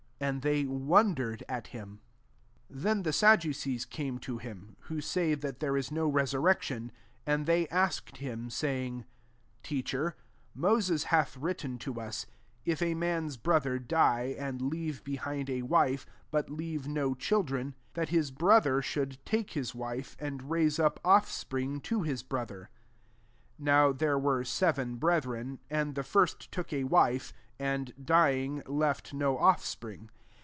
*' And they wandered at him. 18 Then the Sadducees came to him, who say that there is no resurrection ; and they ask ed him, saying, 19 " Teacher, Moses hath written to us :< If a man's brother die, and leave behind a wife, but leave no children, that his brother should take his wife, and raise up off spring to his brother.' 20 JVow there were seven brethren : and the first took a wife^and, dying, left BO offspring.